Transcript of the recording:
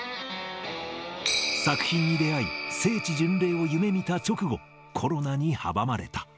作品に出会い、聖地巡礼を夢みた直後、コロナに阻まれた。